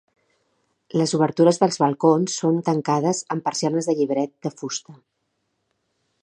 Les obertures dels balcons són tancades amb persianes de llibret de fusta.